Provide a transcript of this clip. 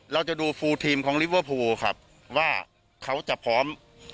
เราจะดูฟูลทีมของลิเวอร์พูลครับว่าเขาจะพร้อม